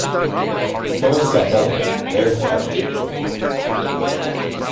Go and see Othello; there's a tragedy for you.